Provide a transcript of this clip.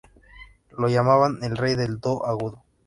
Lo llamaban ""El rey del Do agudo"".